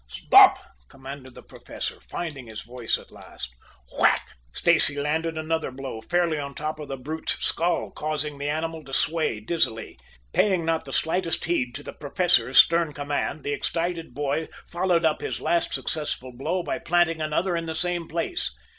"Stop!" commanded the Professor, finding his voice at last. Whack! Stacy landed a blow fairly on the top of the brute's skull, causing the animal to sway dizzily. Paying not the slightest heed to the Professor's stern command, the excited boy followed up his last successful blow by planting another in the same place.